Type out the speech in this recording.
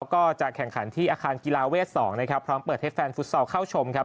ก็จะแข่งขันที่อาคารกีฬาเวท๒นะครับพร้อมเปิดให้แฟนฟุตซอลเข้าชมครับ